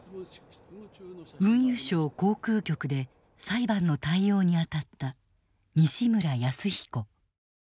運輸省航空局で裁判の対応に当たった西村泰彦。